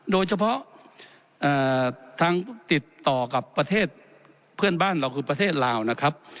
โดยเฉพาะทางติดต่อกับประเทศเพื่อนบ้านเราคือประเทศลาวนะครับ